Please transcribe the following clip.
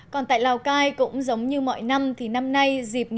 còn tại lào cai cũng giống như mọi năm